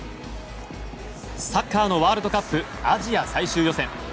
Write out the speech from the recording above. サッカーのワールドカップアジア最終予選。